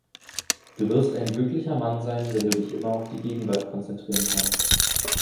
Du wirst ein glücklicher Mann sein, wenn du dich immer auf die Gegenwart konzentrieren kannst.